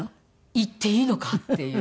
「行っていいのか？」っていう。